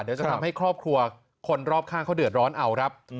เดี๋ยวจะทำให้ครอบครัวคนรอบข้างเขาเดือดร้อนเอาครับ